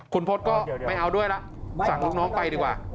คุณพศก็ไม่เอาด้วยแล้วสั่งลูกน้องไปดีกว่า